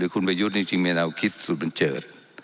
คุณเวยุทธ์มีคิดสุดบันเจิด